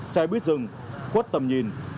xe buýt dừng khuất tầm nhìn